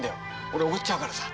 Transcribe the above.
俺おごっちゃうからさ。